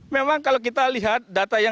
memang kalau kita lihat data yang